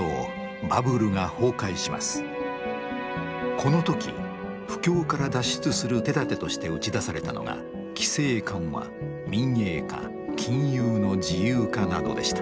この時不況から脱出する手だてとして打ち出されたのが規制緩和民営化金融の自由化などでした。